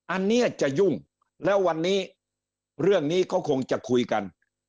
อันนี้จะยุ่งแล้ววันนี้เรื่องนี้ก็คงจะคุยกัน